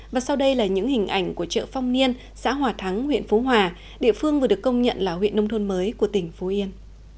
và sau đây là những hình ảnh của chợ phong niên xã hòa thắng huyện phú hòa địa phương vừa được công nhận là huyện nông thôn mới của tỉnh phú yên